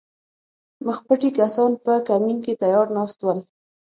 مخپټي کسان په کمین کې تیار ناست ول